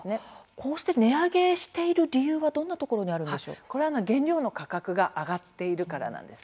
こうして値上げしている理由はどんなところにこれは原料の価格が上がっているからなんです。